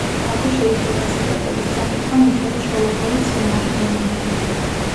აქვე შეიძლება ციტატების წაკითხვა მიხეილ შოლოხოვის „წყნარი დონიდან“.